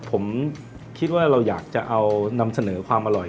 ผมคิดว่าเราอยากจะเอานำเสนอความอร่อย